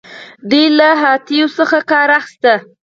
دوی له هاتیو څخه کار اخیست